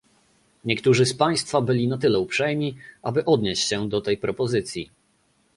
Niektórzy z Państwa byli na tyle uprzejmi, aby odnieść się do tej propozycji